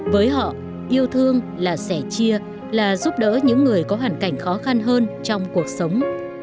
với họ yêu thương là sẻ chia là giúp đỡ những người có hoàn cảnh khó khăn hơn trong cuộc sống